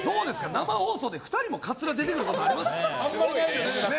生放送で２人もカツラ出てくることあります？